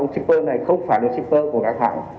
shipper này không phải là shipper của các hàng